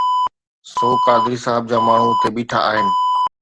سو قادري صاحب جا ماڻهو اتي بيٺا آهن.